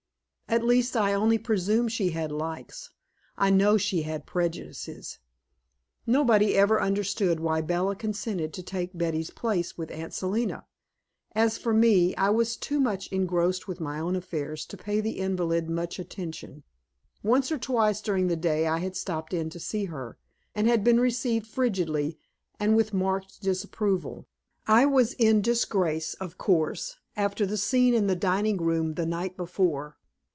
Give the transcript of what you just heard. At least, I only presume she had likes; I know she had prejudices. Nobody every understood why Bella consented to take Betty's place with Aunt Selina. As for me, I was too much engrossed with my own affairs to pay the invalid much attention. Once or twice during the day I had stopped in to see her, and had been received frigidly and with marked disapproval. I was in disgrace, of course, after the scene in the dining room the night before.